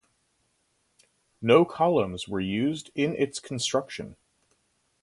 No columns were used in its construction.